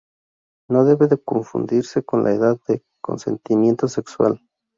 No debe confundirse con la edad de consentimiento sexual.